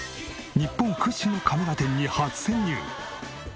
日本屈指のカメラ店に初潜入。